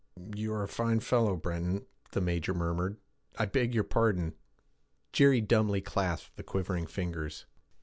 'You are a fine fellow, Breton,' the major murmured. 'I beg your pardon!' Jerry dumbly clasped the quivering fingers.